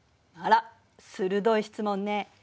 あら鋭い質問ね。